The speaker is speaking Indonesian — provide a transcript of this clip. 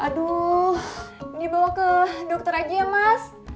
aduh dibawa ke dokter aja ya mas